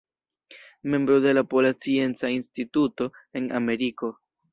Membro de la Pola Scienca Instituto en Ameriko.